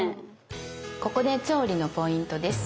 ここで調理のポイントです。